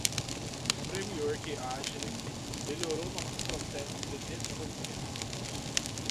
O Framework Agile melhorou nossos processos de desenvolvimento.